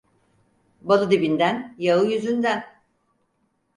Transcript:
Balı dibinden, yağı yüzünden.